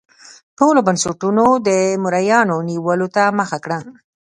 ټولو بنسټونو د مریانو نیولو ته مخه کړه.